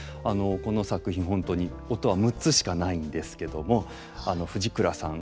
この作品本当に音は６つしかないんですけども藤倉さん